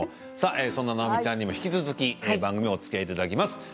そんな直美ちゃんにも引き続き番組におつきあいいただきます。